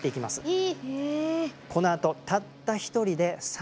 え？